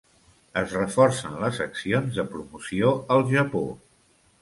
Es reforcen les accions de promoció al Japó.